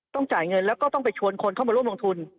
จ่ายเงินแล้วก็ต้องไปชวนคนเข้ามาร่วมลงทุน